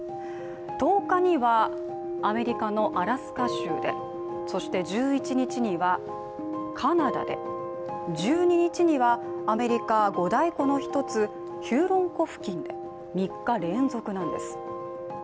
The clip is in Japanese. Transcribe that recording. １０日にはアメリカのアラスカ州で、そして１１日にはカナダで、１２日にはアメリカ五大湖の一つ、ヒューロン湖付近で、３日連続なんです。